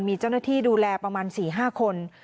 มีเจ้าหน้าที่ดูแลประมาณ๔๕คน